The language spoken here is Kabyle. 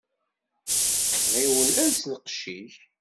Ɣiwel els lqecc-ik.